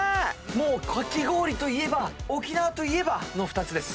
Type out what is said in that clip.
もうかき氷といえば沖縄といえばの２つです。